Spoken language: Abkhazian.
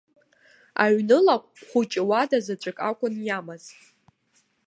Аҩны лаҟә хәыҷы уада заҵәык акәын иамаз.